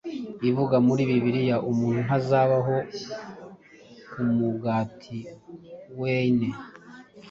Ivuga muri Bibiliya, "Umuntu ntazabaho ku mugati weine."